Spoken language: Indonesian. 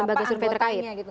lembaga survei terkait